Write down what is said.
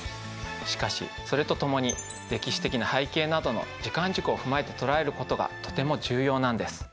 しかしそれとともに歴史的な背景などの時間軸を踏まえて捉えることがとても重要なんです。